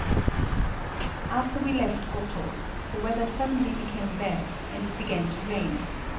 After we left Goto's, the weather suddenly became bad, and it began to rain.